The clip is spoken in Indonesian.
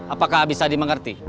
apakah bisa dimengerti